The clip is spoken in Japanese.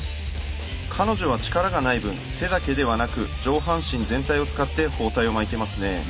彼女は力がない分手だけではなく上半身全体を使って包帯を巻いてますね。